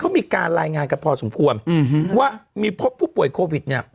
เขามีการรายงานกันพอสมควรว่ามีพบผู้ป่วยโควิดเนี่ย